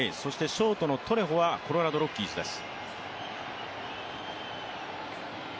ショートのトレホはコロラド・ロッキーズです。